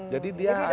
jadi dia ada